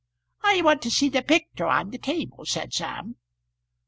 "I wants to see the pictur' on the table," said Sam.